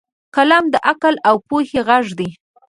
قلم د عقل او پوهې غږ دی